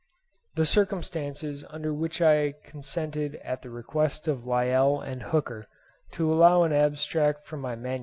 The circumstances under which I consented at the request of Lyell and Hooker to allow of an abstract from my MS.